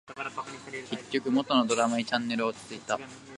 結局、元のドラマにチャンネルは落ち着いた